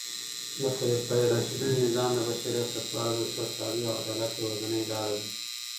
د خلفای راشدینو نظام د بشریت لپاره د سوکالۍ او عدالت یوازینۍ لاره ده.